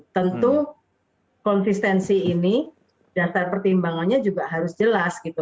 tentu konsistensi ini dasar pertimbangannya juga harus jelas gitu